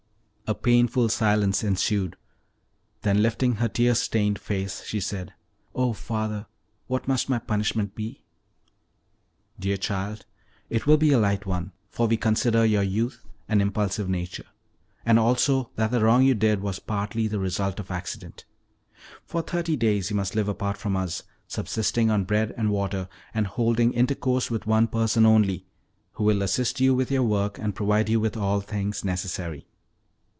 A painful silence ensued, then, lifting her tear stained face, she said: "Oh father, what must my punishment be?" "Dear child, it will be a light one, for we consider your youth and impulsive nature, and also that the wrong you did was partly the result of accident. For thirty days you must live apart from us, subsisting on bread and water, and holding intercourse with one person only, who will assist you with your work and provide you with all things necessary."